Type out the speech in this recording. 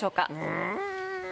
うん。